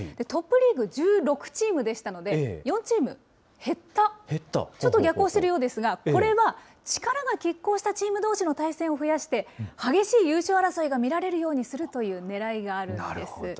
トップリーグ１６チームでしたので、４チーム減った、ちょっと逆行するようですが、これは力がきっ抗したチームどうしの対戦を増やして、激しい優勝争いが見られるようにするというねらいがあるんです。